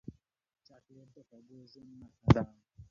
چاکلېټ د خوږ ژوند نښه ده.